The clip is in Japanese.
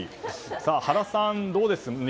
原さん、どうです？